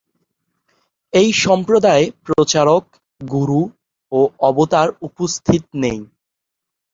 এই সম্প্রদায়ে প্রচারক, গুরু ও অবতার উপস্থিত নেই।